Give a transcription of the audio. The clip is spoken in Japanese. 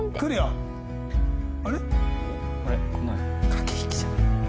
駆け引きじゃない？